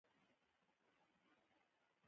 ګیرو ولسوالۍ دښتې لري؟